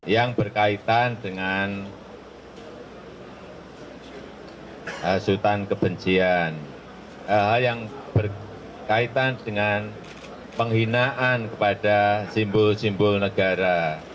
yang berkaitan dengan asutan kebencian yang berkaitan dengan penghinaan kepada simbol simbol negara